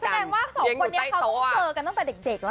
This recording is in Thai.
แสดงว่าสองคนนี้เขาต้องเจอกันตั้งแต่เด็กแล้ว